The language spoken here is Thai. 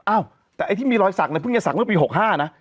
อ้าวแต่ไอ้ที่มีรอยสักเนี่ยเพิ่งจะสักเมื่อปี๖๕นะ